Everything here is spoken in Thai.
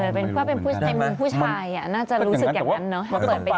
เออเป็นว่าเป็นผู้ในมุมผู้ชายอ่ะน่าจะรู้สึกอย่างงั้นเนอะถ้าเกิดไปเจอ